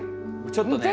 ちょっとね。